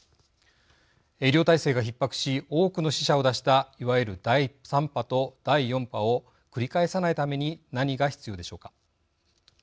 医療体制がひっ迫し多くの死者を出したいわゆる第３波と第４波を繰り返さないために何が必要でしょうか。